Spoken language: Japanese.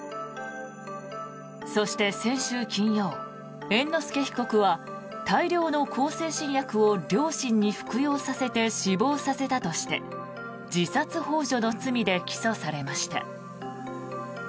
そして、先週金曜猿之助被告は大量の向精神薬を両親に服用させて死亡させたとして自殺ほう助の罪で起訴されました。